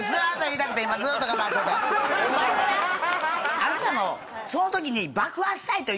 あなたのそのときに。